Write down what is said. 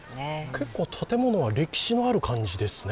結構建物が歴史のある感じですね。